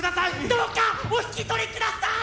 どうかお引き取りください。